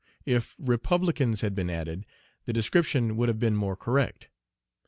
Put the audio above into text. If "republicans" had been added, the description would have been more correct.